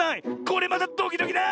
これまたドキドキだ！